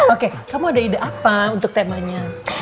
oke kamu ada ide apa untuk temanya